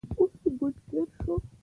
اوس منکر شو.